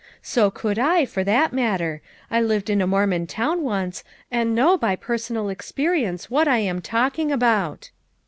So could I, for that matter; I lived in a Mormon town, once, and know by personal experience what I am talking about.